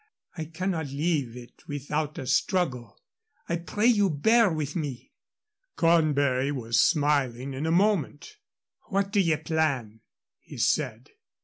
I cannot leave it without a struggle. I pray you, bear with me." Cornbury was smiling in a moment. "What do ye plan?" he said.